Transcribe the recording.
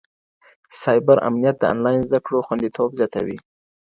سایبر امنیت د انلاین زده کړو خوندیتوب زیاتوي.